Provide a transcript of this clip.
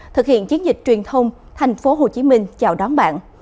thực hiện chiến dịch truyền thông thành phố hồ chí minh chào đón bạn